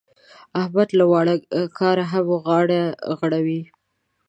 احمد له واړه کاره هم غاړه غړوي.